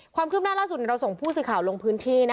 ความคืบหน้าล่าสุดเราส่งผู้สื่อข่าวลงพื้นที่